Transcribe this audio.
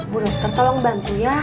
bu dokter tolong bantu ya